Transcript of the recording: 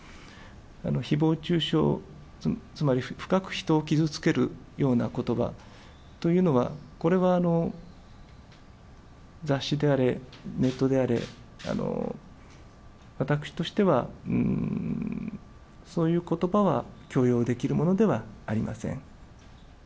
ひぼう中傷、つまり深く人を傷つけるようなことばというのは、これは雑誌であれ、ネットであれ、私としては、そういうことばは許容できるものではありません。